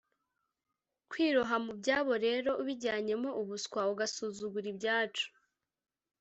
kwiroha mu byabo rero ubijyanyemo ubuswa, ugasuzugura ibyacu